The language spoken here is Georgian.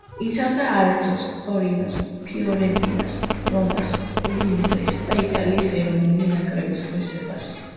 იცავდა „არეცოს“, „ტორინოს“, „ფიორენტინას“, „რომას“, „უდინეზეს“ და იტალიის ეროვნული ნაკრების ღირსებას.